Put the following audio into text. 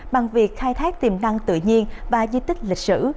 bằng việc khai thác tiềm năng tự nhiên và di tích lịch sử